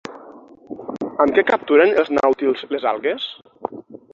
Amb què capturen els nàutils les algues?